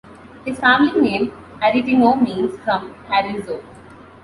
His family name 'Aretino' means 'from Arezzo'.